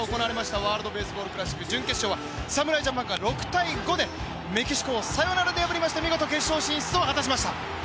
ワールドベースボールクラシック準決勝は侍ジャパンが６−５でメキシコをサヨナラで破りました、見事、決勝進出を果たしました。